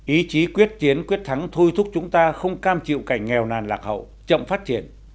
ý chí quyết chiến quyết thắng thôi thúc chúng ta không cam chịu cảnh nghèo nàn lạc hậu chậm phát triển